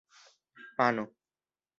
mano